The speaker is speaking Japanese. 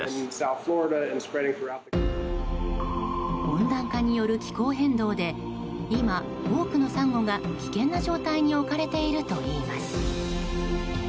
温暖化による気候変動で今、多くのサンゴが危険な状態に置かれているといいます。